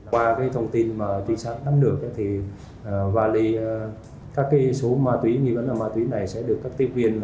qua thông tin tùy sát nắm được các số ma túy nghi vấn ma túy này sẽ được các tiếp viên